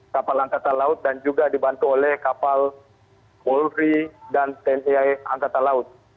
kapal angkatan laut dan juga dibantu oleh kapal polri dan tni angkatan laut